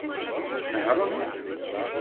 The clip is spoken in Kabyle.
Nehṛemt!